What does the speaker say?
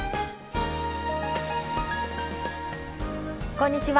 こんにちは。